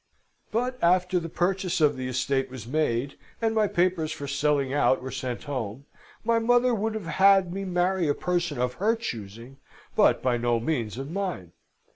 "But, after the purchase of the estate was made, and my papers for selling out were sent home, my mother would have had me marry a person of her choosing, but by no means of mine.